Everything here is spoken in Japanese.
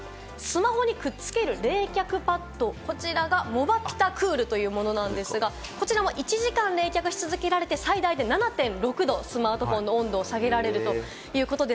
スマホにくっつける冷却パッド、こちらがモバピタッＣｏｏｌというものなんですが、こちらも１時間冷却し続けられて最大で７．６度、スマートフォンの温度を下げられるということです。